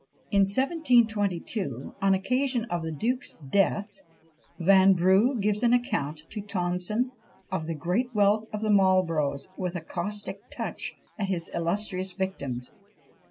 In 1722, on occasion of the duke's death, Vanbrugh gives an account to Tonson of the great wealth of the Marlboroughs, with a caustic touch at his illustrious victims.